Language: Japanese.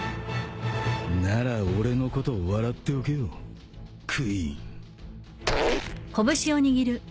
なら俺のこと笑っておけよクイーン。